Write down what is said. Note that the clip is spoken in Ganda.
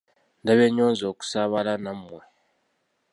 Ndabye nnyo nze okusaabala nammwe!